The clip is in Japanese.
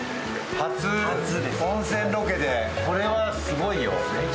初温泉ロケで、これはすごいよ。